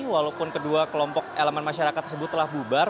walaupun kedua kelompok elemen masyarakat tersebut telah bubar